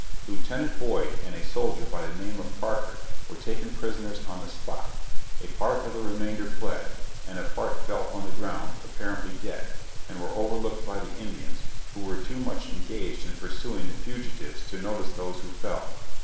Lieut. Boyd and a soldier by the name of Parker, were taken prisoners on the spot, a part of the remainder fled, and a part fell on the ground, apparently dead, and were overlooked by the Indians, who were too much engaged in pursuing the fugitives to notice those who fell.